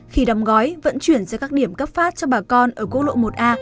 khi đóng gói vận chuyển ra các điểm cấp phát cho bà con ở quốc lộ một a